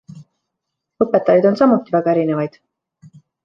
Õpetajaid on samuti väga erinevaid.